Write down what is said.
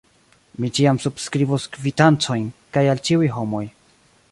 Mi ĉiam subskribos kvitancojn, kaj al ĉiuj homoj.